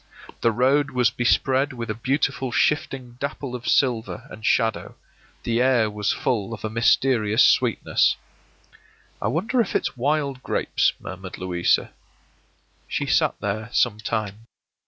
The road was bespread with a beautiful shifting dapple of silver and shadow; the air was full of a mysterious sweetness. “I wonder if it's wild grapes?” murmured Louisa. She sat there some time.